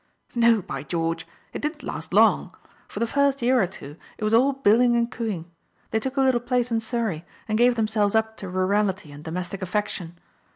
" No, by George ! It didn't last long. For the first year or two, it was all billing and coo ing. They took a little place in Surrey, and gave themselves up to rurality and domestic aflFection.